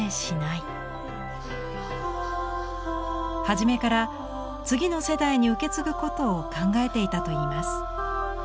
初めから次の世代に受け継ぐことを考えていたといいます。